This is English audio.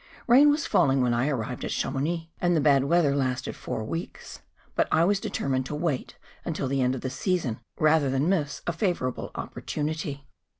Bain was falling when I arrived at Chamounix; and the bad weather lasted four weeks. But I was determined to wait until the end of the season rather than miss a favourable opportunity.